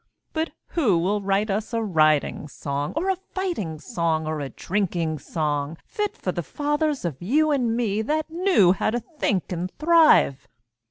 But who will write us a riding song Or a fighting song or a drinking song, Fit for the fathers of you and me, That knew how to think and thrive?